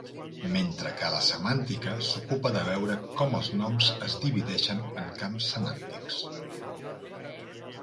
Mentre que la semàntica s'ocupa de veure com els noms es divideixen en camps semàntics.